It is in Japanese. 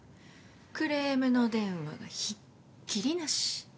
クレームの電話がひっきりなし。